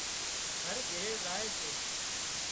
هر گھِري زائي سي